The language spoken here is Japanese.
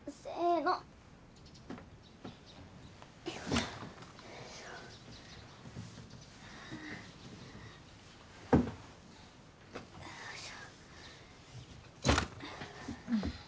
よいしょ！